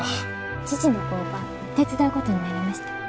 父の工場手伝うことになりました。